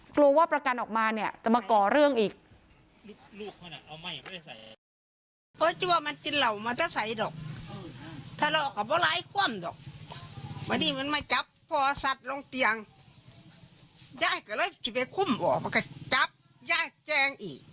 กลัวว่าประกันออกมาเนี่ยจะมาก่อเรื่องอีก